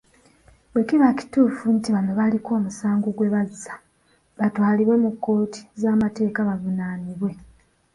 Bwe kiba kituufu nti bano baliko omusango gwe bazza, batwalibwe mu kkooti z'amateeka bavunaanibwe.